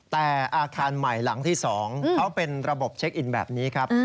แต่อาคารใหม่หลังที่๒เขาเป็นระบบเช็คอินแบบนี้ครับ